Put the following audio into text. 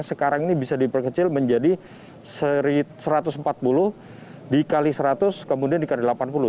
sekarang ini bisa diperkecil menjadi satu ratus empat puluh dikali seratus kemudian dikali delapan puluh